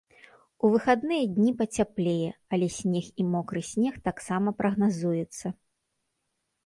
У выхадныя дні пацяплее, але снег і мокры снег таксама прагназуецца.